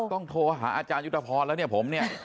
โทรหาอาจารยุทธพรแล้วเนี่ยผมเนี่ย